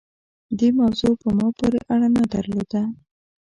دې موضوع په ما پورې اړه نه درلوده.